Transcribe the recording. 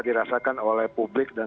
dirasakan oleh publik dan